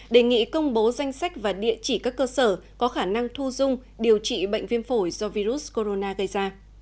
đề nghị công bố danh sách và địa chỉ các cơ sở có khả năng thu dung điều trị bệnh viêm phổi do virus corona gây ra